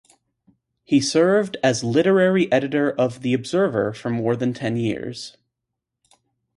He served as literary editor of "The Observer" for more than ten years.